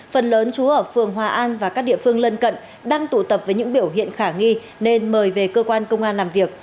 phần lớn chú ở phường hòa an và các địa phương lân cận đang tụ tập với những biểu hiện khả nghi nên mời về cơ quan công an làm việc